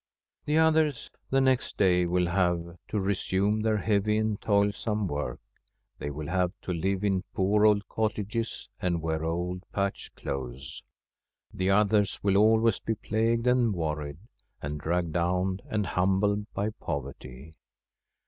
The others the next day will have to resume their heavy and toilsome work. They will have to live in poor old cottages and wear old, patched clothes ; the others will always be plagued and worried, and dragged down and humbled by poverty.